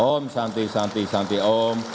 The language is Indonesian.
om shanti shanti shanti om